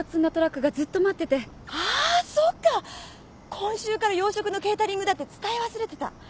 今週から洋食のケータリングだって伝え忘れてた。